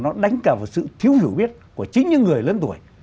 nó đánh cả vào sự thiếu hiểu biết của chính những người lớn tuổi